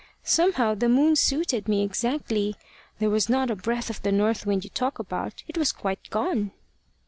Somehow the moon suited me exactly. There was not a breath of the north wind you talk about; it was quite gone."